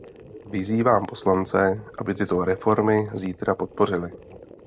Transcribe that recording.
Vyzývám poslance, aby tyto reformy zítra podpořili.